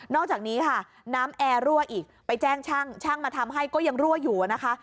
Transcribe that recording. อกจากนี้ค่ะน้ำแอร์รั่วอีกไปแจ้งช่างช่างมาทำให้ก็ยังรั่วอยู่นะคะ